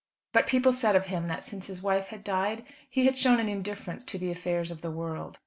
But people said of him that since his wife had died he had shown an indifference to the affairs of the world.